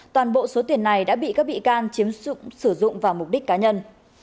toàn bộ số tiền này đã bị các bị can sử dụng vào mục đích cá nhân